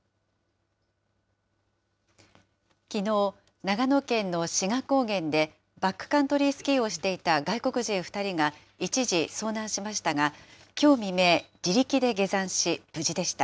きのう、長野県の志賀高原で、バックカントリースキーをしていた外国人２人が、一時遭難しましたが、きょう未明、自力で下山し、無事でした。